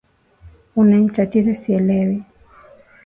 Unanitatiza sielewi